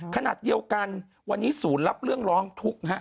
ขณะเดียวกันวันนี้ศูนย์รับเรื่องร้องทุกข์ฮะ